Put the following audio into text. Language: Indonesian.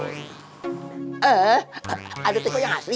ada teko yang asli